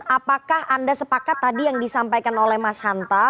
apakah anda sepakat tadi yang disampaikan oleh mas hanta